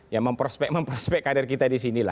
ya memprospek memprospek karir kita disini lah